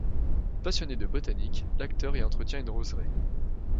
Passionné de botanique, l'acteur y entretient une roseraie.